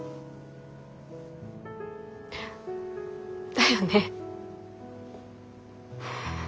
だよね。